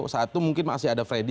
saat itu mungkin masih ada freddy